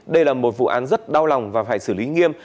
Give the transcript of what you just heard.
đây là một vụ án rất đau lòng và phải xử lý nghiêm